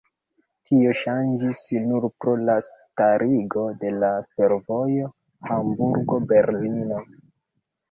Tio ŝanĝis nur pro la starigo de la fervojo Hamburgo-Berlino.